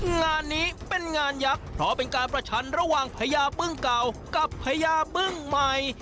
งานนี้เป็นงานยักษ์เพราะเป็นการประชันระหว่างพญาบึ้งเก่ากับพญาบึ้งใหม่